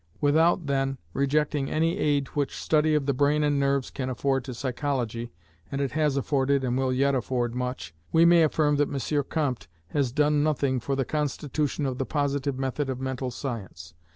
Without, then, rejecting any aid which study of the brain and nerves can afford to psychology (and it has afforded, and will yet afford, much), we may affirm that M. Comte has done nothing for the constitution of the positive method of mental science.